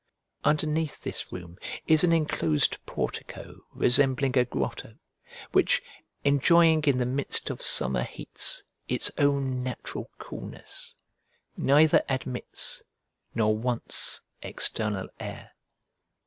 Underneath this room is an enclosed portico resembling a grotto, which, enjoying in the midst of summer heats its own natural coolness, neither admits nor wants external air.